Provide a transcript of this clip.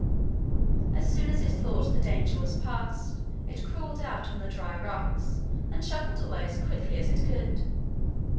As soon as it thought the danger was past, it crawled out on the dry rocks, and shuffled away as quickly as it could.